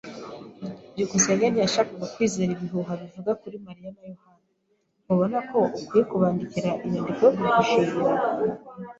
byukusenge ntiyashakaga kwizera ibihuha bivuga kuri Mariya na Yohana. Ntubona ko ukwiye kubandikira inyandiko yo kugushimira?